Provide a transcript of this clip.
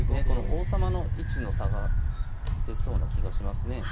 この王様の位置の差が出そうな気がしますね。